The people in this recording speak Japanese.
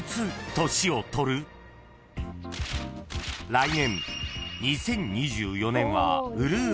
［来年２０２４年は］